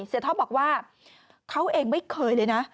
ท็อปบอกว่าเขาเองไม่เคยเลยนะ